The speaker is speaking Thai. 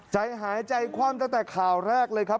ใจหายใจคว่ำตั้งแต่ข่าวแรกเลยครับ